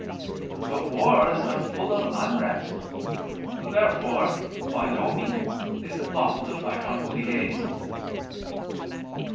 But wars are full of unrest. Therefore by no means is it lawful to fight on holy days.